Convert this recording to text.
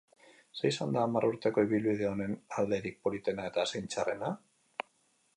Zer izan da hamar urteko ibilbide honen alderik politena eta zein txarrena?